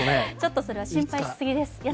ちょっとそれは心配しすぎです。